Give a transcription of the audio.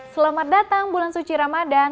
selamat datang bulan suci ramadan